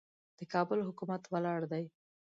د کابل حکومت ولاړ دی.